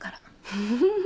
フフフフ。